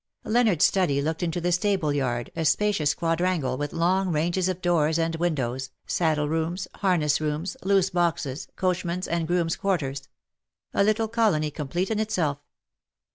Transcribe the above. Leonard's study looked into the stable yard, a spacious quadrangle, with long ranges of doors and windows, saddle rooms, harness rooms, loose boxes, coachmen's, and groom's quarters — a little colony complete in itself.